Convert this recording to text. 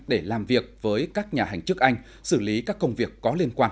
để làm việc với các nhà hành chức anh xử lý các công việc có liên quan